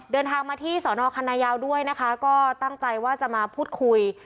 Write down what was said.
เดินทางมาที่สอนอคันนายาวด้วยนะคะก็ตั้งใจว่าจะมาพูดคุย